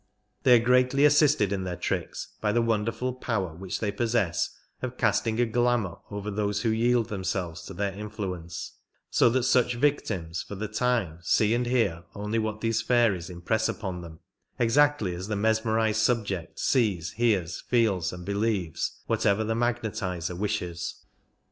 They are greatly assisted in their tricks by the wonderful power which ihey possess of casting a glamour over those who yield themselves to their influence, so that such victims for the time see and hear only what these fairies impress upon them, exactly as the mesmerized subject sees, hears, feels and believes whatever the magnetizer wishes.